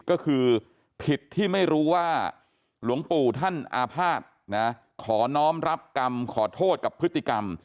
ก็คือผิดที่ไม่รู้ว่าหลวงปู่ท่านอาภาษณ์นะขอน้องรับกรรมขอโทษกับพฤติกรรม